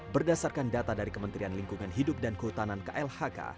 berdasarkan data dari kementerian lingkungan hidup dan kehutanan klhk